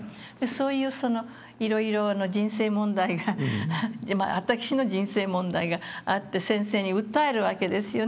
そういういろいろ人生問題が私の人生問題があって先生に訴えるわけですよね。